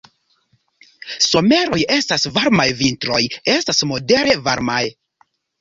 Someroj estas varmaj, vintroj estas modere malvarmaj.